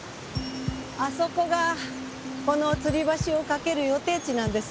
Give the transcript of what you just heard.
あそこがこのつり橋を架ける予定地なんです。